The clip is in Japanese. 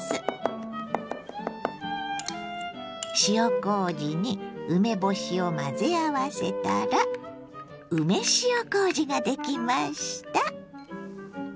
塩こうじに梅干しを混ぜ合わせたら梅塩こうじができました。